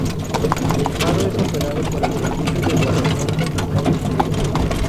El Faro es operado por el servicio de guardacostas de Estados Unidos.